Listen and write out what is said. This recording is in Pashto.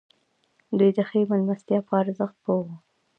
دوی د ښې مېلمستیا په ارزښت پوه وو.